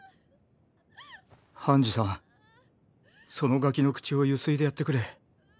ハンジさんそのガキの口をゆすいでやってくれ。